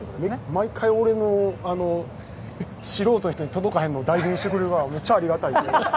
毎回、俺の素人の人に届かないのを代弁してくれるからめっちゃありがたい。